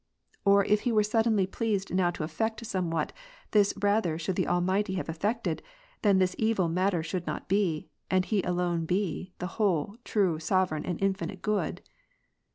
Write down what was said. Or if He were suddenly pleased now to effect somewhat, this rather should the All mighty have effected, that this evil matter should not be, and He alone be, the whole, true, sovereign, and infinite Good.